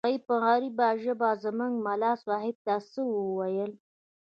هغوى په عربي ژبه زموږ ملا صاحب ته څه وويل.